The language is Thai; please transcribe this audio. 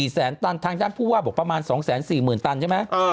แสนตันทางด้านผู้ว่าบอกประมาณ๒๔๐๐๐ตันใช่ไหม